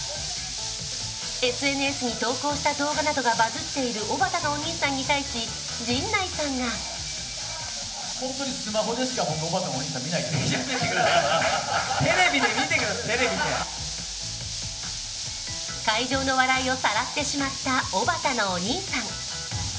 ＳＮＳに投稿した動画などがバズっているおばたのお兄さんに対し、陳内さんが会場の笑いをさらってしまったおばたのお兄さん。